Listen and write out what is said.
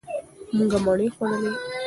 مونږه مڼې وخوړلې.